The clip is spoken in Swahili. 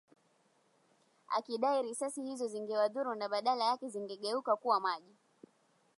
akidai risasi hizo zisingewadhuru na badala yake zingegeuka kuwa maji